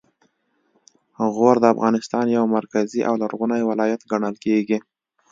غور د افغانستان یو مرکزي او لرغونی ولایت ګڼل کیږي